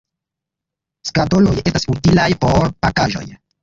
Skatoloj estas utilaj por pakaĵoj.